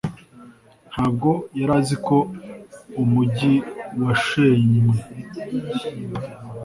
ntabwo yari azi ko umujyi washenywe